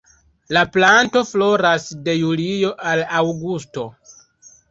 La planto floras de julio al aŭgusto.